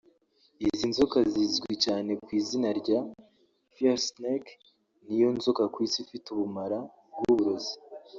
Iyi nzoka izwi cyane ku izina rya “Fierce snake” ni yo nzoka ku isi ifite ubumara bw’uburozi